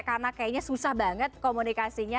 karena kayaknya susah banget komunikasinya